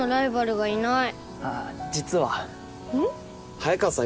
早川さん